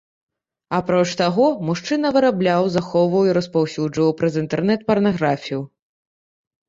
Апроч таго, мужчына вырабляў, захоўваў і распаўсюджваў праз інтэрнэт парнаграфію.